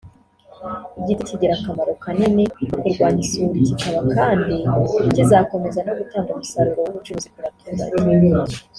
igiti kigira akamaro kanini mu kurwanya isuri kikaba kandi kizakomeza no gutanga umusaruro w’ubucuruzi ku baturage